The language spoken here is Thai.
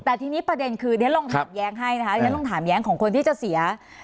แต่ทีนี้ประเด็นคือเดี๋ยวลองถามแย้งให้นะคะเรียนลองถามแย้งของคนที่จะเสีย